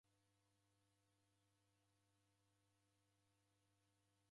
W'uja w'anake w'akanye na ani?